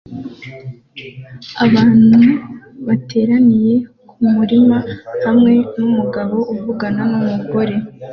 Abantu bateraniye kumurima hamwe numugabo uvugana numugore